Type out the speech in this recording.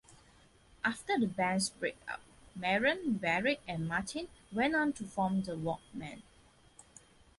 After the band's break-up, Maroon, Barrick, and Martin went on to form The Walkmen.